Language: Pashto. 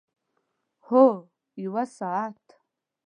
هو، یوه ساعت